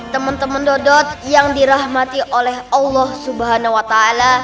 teman teman dodot yang dirahmati oleh allah subhanahu wa ta'ala